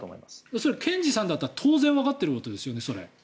それは検事さんだったら当然わかっていることですよね？